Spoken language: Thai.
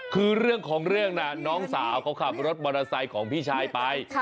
คือเรื่องของเรื่องน่ะน้องสาวเขาขับรถมอเตอร์ไซค์ของพี่ชายไป